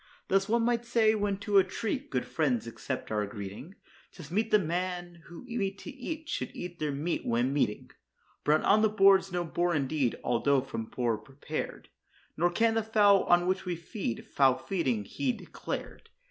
Thus, one might say, when to a treat good friends accept our greeting, 'Tis meet that men who meet to eat should eat their meat when meeting. Brawn on the board's no bore indeed although from boar prepared; Nor can the fowl, on which we feed, foul feeding he declared.